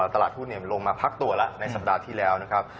ตลาดหุ้นลงมาพักตัวแล้วในสัปดาห์ที่แล้วนะครับ